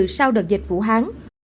sau đợt dịch vũ hán